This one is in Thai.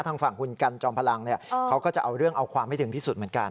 ทางฝั่งคุณกันจอมพลังเขาก็จะเอาเรื่องเอาความให้ถึงที่สุดเหมือนกัน